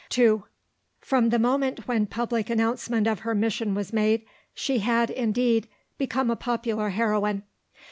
II From the moment when public announcement of her mission was made, she had, indeed, become a popular heroine.